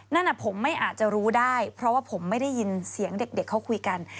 นั่นผมไม่อาจจะรู้ได้เพราะว่าผมไม่ได้ยินเสียงเด็กเขาคุยกัน